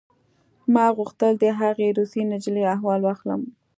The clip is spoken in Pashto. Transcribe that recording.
ما غوښتل د هغې روسۍ نجلۍ احوال واخلم